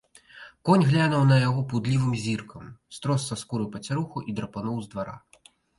Конь глянуў на яго пудлівым зіркам, строс са скуры пацяруху і драпануў з двара.